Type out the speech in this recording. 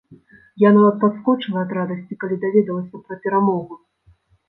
Я нават падскочыла ад радасці, калі даведалася пра перамогу!